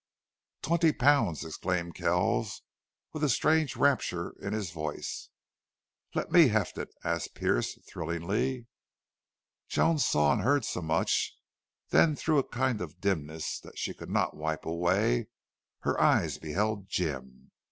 "Twenty pounds!" exclaimed Kells, with a strange rapture in his voice. "Let me heft it?" asked Pearce, thrillingly. Joan saw and heard so much, then through a kind of dimness, that she could not wipe away, her eyes beheld Jim.